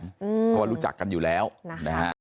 เพราะว่ารู้จักกันอยู่แล้วนะฮะ